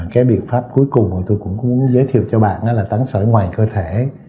cái biện pháp cuối cùng tôi cũng muốn giới thiệu cho bạn đó là tán sỏi ngoài cơ thể